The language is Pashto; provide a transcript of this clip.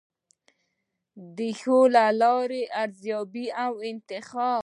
د ښې حل لارې ارزیابي او انتخاب.